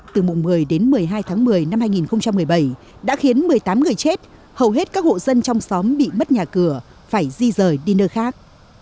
từ mùng một mươi đến một mươi hai tháng một mươi năm hai nghìn một mươi bảy đã khiến một mươi tám người chết hầu hết các hộ dân trong xóm bị mất nhà cửa phải di rời đi nơi khác